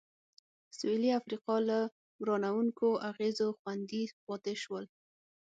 سوېلي افریقا له ورانوونکو اغېزو خوندي پاتې شول.